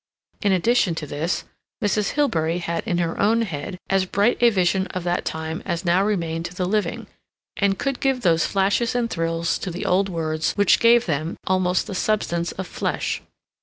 In addition to this Mrs. Hilbery had in her own head as bright a vision of that time as now remained to the living, and could give those flashes and thrills to the old words which gave them almost the substance of flesh.